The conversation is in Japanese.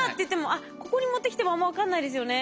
あっここに持ってきてもあんま分かんないですよね。